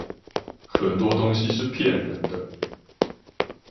很多東西是騙人的